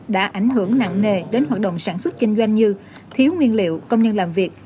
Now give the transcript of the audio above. đã ảnh hưởng nặng nề đến hoạt động sản xuất kinh doanh như thiếu nguyên liệu công nhân làm việc